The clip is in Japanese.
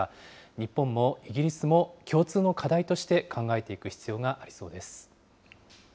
日本もイギリスも共通の課題として考えていく必要がありそうです。